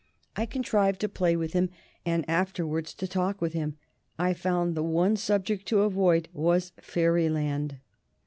I contrived to play with him and afterwards to talk with him. I found the one subject to avoid was Fairyland.